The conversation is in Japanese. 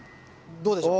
どうでしょう？